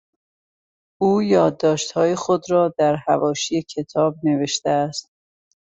او یادداشتهای خود را در حواشی کتاب نوشته است.